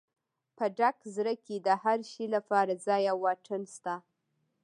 په ډک زړه کې د هر شي لپاره ځای او واټن شته.